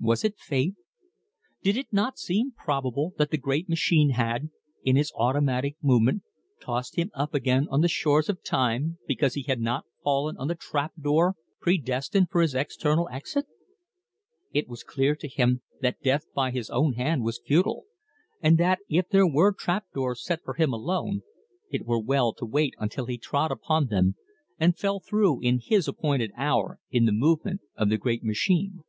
Was it fate? Did it not seem probable that the Great Machine had, in its automatic movement, tossed him up again on the shores of Time because he had not fallen on the trap door predestined for his eternal exit? It was clear to him that death by his own hand was futile, and that if there were trap doors set for him alone, it were well to wait until he trod upon them and fell through in his appointed hour in the movement of the Great Machine.